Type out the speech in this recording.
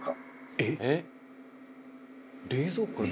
「えっ？」